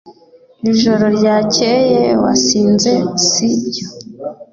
Ijoro ryakeye wasinze si byo